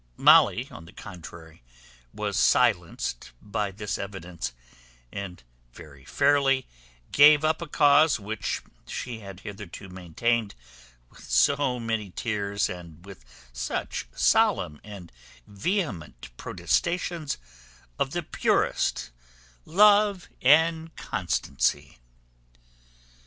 Molly, on the contrary, was silenced by this evidence, and very fairly gave up a cause which she had hitherto maintained with so many tears, and with such solemn and vehement protestations of the purest love and constancy.